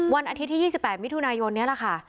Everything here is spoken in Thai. วันอาทิตย์ที่๒๘มิถุนายนนี้แหละค่ะ